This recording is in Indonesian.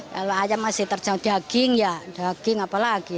kalau ayam masih terjang jaging ya daging apalagi